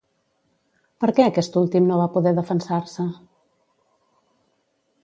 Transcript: Per què aquest últim no va poder defensar-se?